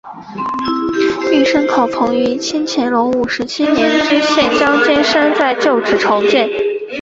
玉山考棚于清乾隆五十七年知县张兼山在旧址重建。